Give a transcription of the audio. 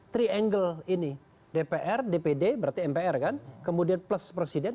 triangle ini dpr dpd berarti mpr kan kemudian plus presiden